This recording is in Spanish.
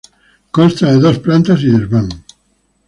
Consta de dos plantas y desván.